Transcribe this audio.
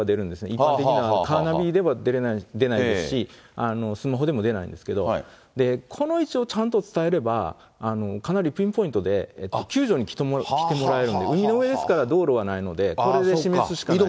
一般的なカーナビでは出ないですし、スマホでも出ないですけども、この位置をちゃんと伝えれば、かなりピンポイントで、救助に来てもらえるんで、海の上ですから、道路はないので、これで示すしかない。